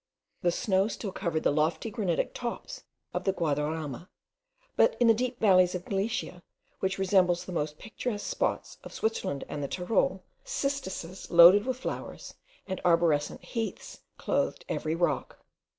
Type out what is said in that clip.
The snow still covered the lofty granitic tops of the Guadarama; but in the deep valleys of Galicia, which resemble the most picturesque spots of Switzerland and the Tyrol, cistuses loaded with flowers; and arborescent heaths clothed every rock.